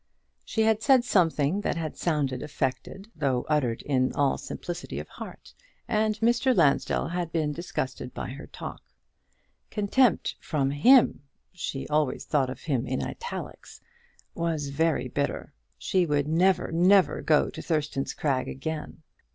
She had said something that had sounded affected, though uttered in all simplicity of heart; and Mr. Lansdell had been disgusted by her talk. Contempt from him she always thought of him in italics was very bitter! She would never, never go to Thurston's Crag again.